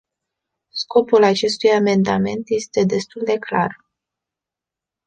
Scopul acestui amendament este destul de clar.